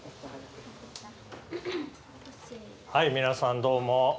はい皆さんどうも。